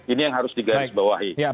ini yang harus digarisbawahi